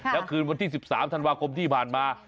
แล้วคืนวันที่๑๓ธันวาคมที่ผ่านมา